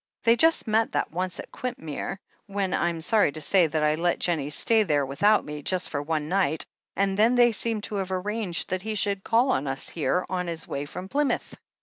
They just met that once at Quintmere, when I'm sorry to say that I let Jennie stay there with out me, just for one night — ^and then they seem to have arranged that he should call on us here on his way from Plymouth."